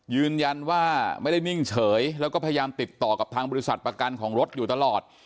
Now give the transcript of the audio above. ยืนยันว่าไม่ได้นิ่งเฉยแล้วก็พยายามติดต่อกับทางบริษัทประกันของรถอยู่ตลอด